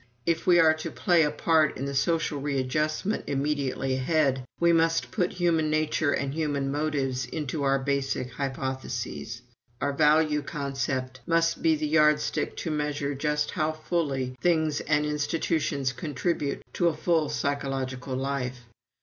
If we are to play a part in the social readjustment immediately ahead, we must put human nature and human motives into our basic hypotheses. Our value concept must be the yardstick to measure just how fully things and institutions contribute to a full psychological life.